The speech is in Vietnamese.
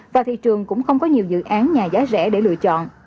và thị trường cũng không có nhiều dự án nhà giá rẻ để lựa chọn